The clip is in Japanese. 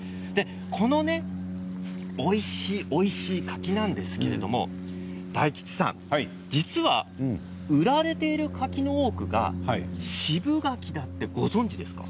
このおいしいおいしい柿なんですけれど大吉さん、実は売られている柿の多くが渋柿だってご存じですか？